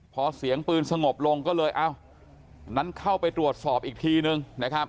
พอเสียงปืนสงบลงก็เลยเอางั้นเข้าไปตรวจสอบอีกทีนึงนะครับ